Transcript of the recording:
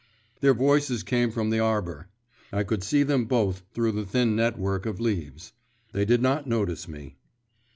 Their voices came from the arbour. I could see them both through the thin net work of leaves. They did not notice me.